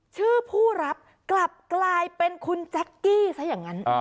ชื่อผู้รับกลับกลายเป็นคุณแจ๊กกี้ซะอย่างนั้น